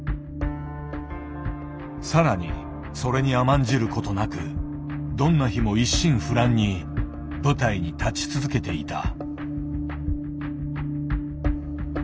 更にそれに甘んじることなくどんな日も一心不乱に舞台に立ち続けていた。